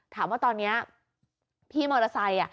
ถามว่าตอนนี้พี่มอเตอร์ไซค์